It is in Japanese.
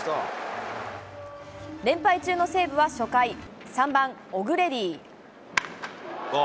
連敗中の西武は初回、３番・オグレディ。